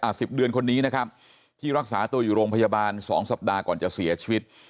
สิบเดือนคนนี้นะครับที่รักษาตัวอยู่โรงพยาบาลสองสัปดาห์ก่อนจะเสียชีวิต